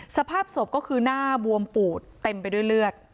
สภาพศพก็คือหน้าบวมปูดเต็มไปด้วยเลือด